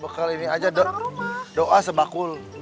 bekal ini aja doa sembakul